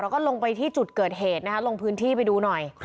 แล้วก็ลงไปที่จุดเกิดเหตุนะคะลงพื้นที่ไปดูหน่อย